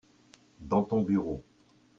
dans ton bureau.